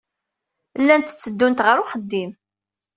Llant tteddunt ɣer uxeddim.